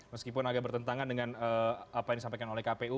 meskipun agak bertentangan dengan apa yang disampaikan oleh kpu